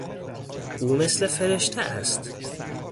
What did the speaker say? او مثل فرشته است.